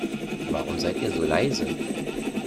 Warum seid ihr so leise?